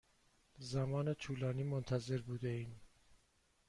زمان طولانی منتظر بوده ایم.